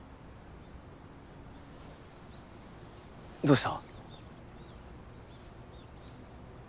どうした？